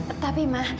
eh tapi ma